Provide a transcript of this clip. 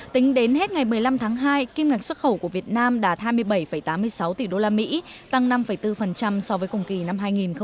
tính đến hết ngày một mươi năm tháng hai kim ngạch xuất khẩu của việt nam đạt hai mươi bảy tám mươi sáu tỷ usd tăng năm bốn so với cùng kỳ năm hai nghìn một mươi tám